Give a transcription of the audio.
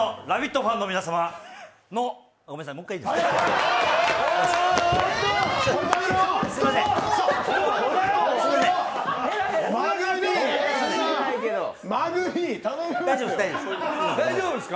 ファンの皆様のごめんなさい、もう一回いいですか？